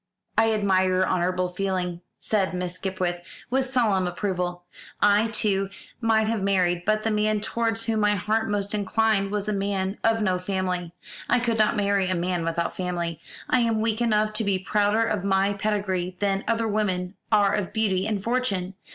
"I admire your honourable feeling," said Miss Skipwith, with solemn approval; "I, too, might have married, but the man towards whom my heart most inclined was a man of no family. I could not marry a man without family. I am weak enough to be prouder of my pedigree than other women are of beauty and fortune.